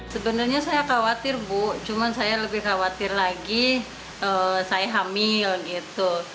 sebenarnya saya khawatir bu cuma saya lebih khawatir lagi saya hamil gitu